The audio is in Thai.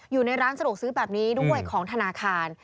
อยู่ในร้านสะดวกซื้อแบบนี้ด้วยของธนาคาร